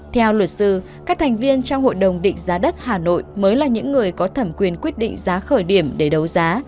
theo luật sư các thành viên trong hội đồng định giá đất hà nội mới là những người có thẩm quyền quyết định giá khởi điểm để đấu giá